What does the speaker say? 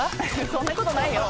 そんなことないよ。